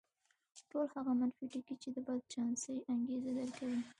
ټول هغه منفي ټکي چې د بدچانسۍ انګېزه درکوي.